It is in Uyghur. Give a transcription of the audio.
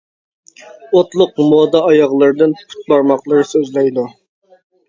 ئوتلۇق مودا ئاياغلىرىدىن پۇت بارماقلىرى سۆزلەيدۇ.